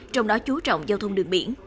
trong đó chú trọng giao thông đường biển